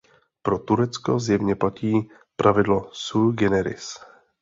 Pro Turecko zjevně platí pravidlo sui generis.